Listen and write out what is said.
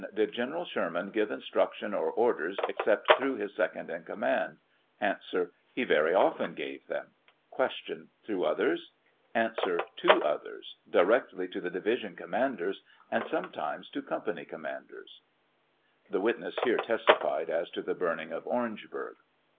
Did General Sherman give instructions or orders except through his second in command ? A. He very often gave them. Q. Through others ? 37 A. To others ; directly to the division commanders, and sometimes to company commanders; (The witness here testified as to the burning of Orangeburg.)